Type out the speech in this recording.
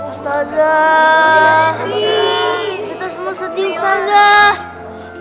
ustadzah kita semua sedih ustadzah